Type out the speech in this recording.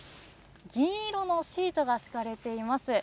銀色のシートが敷かれています。